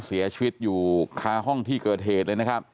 เสียชีวิตอยู่ค้าห้องที่เกิดเหตุ